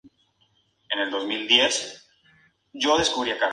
Lugares herbáceos secos.